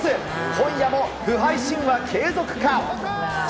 今夜も不敗神話継続か。